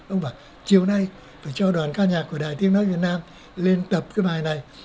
ông bảo chiều nay phải cho đoàn ca nhạc của đài tiếng nói việt nam lên tập cái bài này